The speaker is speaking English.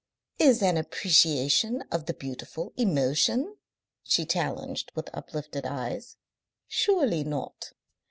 "Is an appreciation of the beautiful emotion?" she challenged, with uplifted eyes. "Surely not.